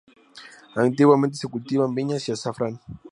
Antiguamente se cultivaban viñas y azafrán.